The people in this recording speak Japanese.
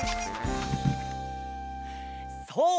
そう！